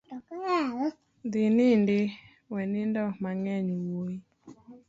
Dhi inindi we nindo mang'eny wuoi.